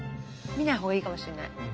見ない方がいいかもしれない。